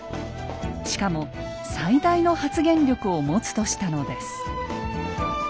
しかも最大の発言力を持つとしたのです。